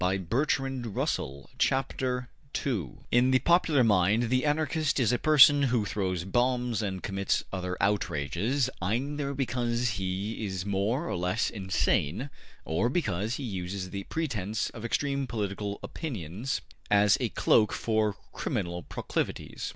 CHAPTER II BAKUNIN AND ANARCHISM IN the popular mind, an Anarchist is a person who throws bombs and commits other outrages, either because he is more or less insane, or because he uses the pretense of extreme political opinions as a cloak for criminal proclivities.